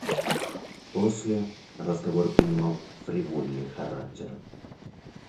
После разговор принимал фривольный характер.